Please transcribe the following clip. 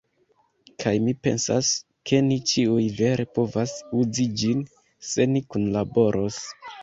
Kaj mi pensas, ke ni ĉiuj vere povas uzi ĝin, se ni kunlaboros.